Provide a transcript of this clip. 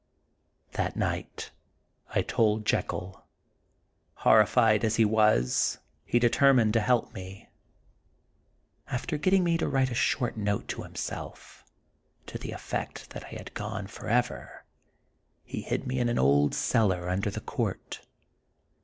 That night I told Jekyll. Horrified as he was, he determined to help me. After getting me to write a short note to himself, to the effect that I had gone forever, he hid me in an old cellar under the court.